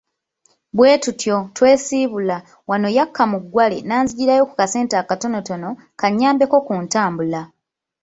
Bwe tutyo, twesiibula, wano yakka mu ggwale n'anzigirayo ku kasente akatonotono kannyambeko ku ntambula.